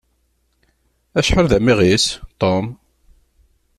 Acḥal d amiɣis, Tom!